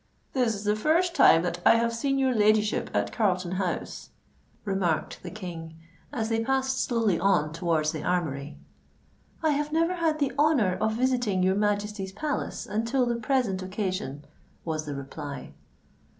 "This is the first time that I have seen your ladyship at Carlton House," remarked the King, as they passed slowly on towards the Armoury. "I have never had the honour of visiting your Majesty's palace until the present occasion," was the reply.